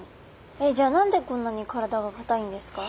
えっじゃあ何でこんなに体がかたいんですか？